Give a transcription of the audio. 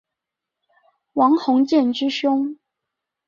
王鸿渐之兄。